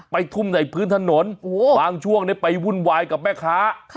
ไปทุ่มในพื้นถนนบางช่วงไปวุ่นวายกับแม่ค้า